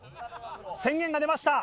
宣言が出ました。